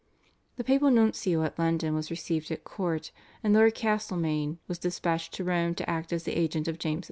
The papal nuncio at London was received at court, and Lord Castlemaine was dispatched to Rome to act as the agent of James II.